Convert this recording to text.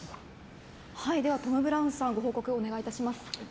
ではトム・ブラウンさんご報告をお願いいたします。